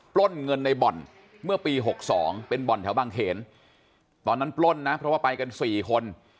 ปล้นเงินในบ่อนเมื่อปี๖๒เป็นบ่อนแถวบางเขนตอนนั้นปล้นนะเพราะว่าไปกัน๔คน